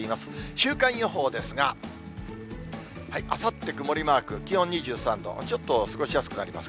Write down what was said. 週間予報ですが、あさって曇りマーク、気温２３度、ちょっと過ごしやすくなります。